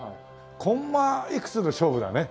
コンマいくつの勝負だね。